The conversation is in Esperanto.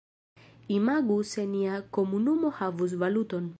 Imagu se nia komunumo havus valuton.